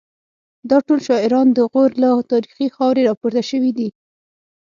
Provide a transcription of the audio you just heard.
دا ټول شاعران د غور له تاریخي خاورې راپورته شوي دي